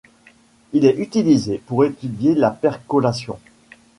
Il est utilisé pour étudier la percolation.